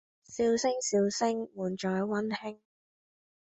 笑聲笑聲，滿載溫馨